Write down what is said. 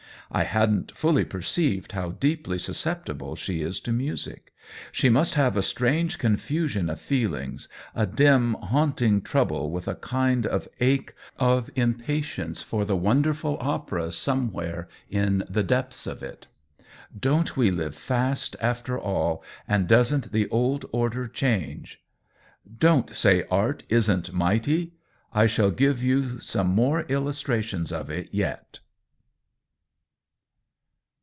I hadn't fully perceived how deeply suscep tible she is to music. She must have a strange confusion of feelings — a dim, haunt ing trouble, with a kind of ache of impa tience for the wonderful opera somewhere in the depths of it. Don't we Hve fast, after all, and doesn't the old order change ? Don't say art isn't mighty ! I shall give you some more illustrations of it yet.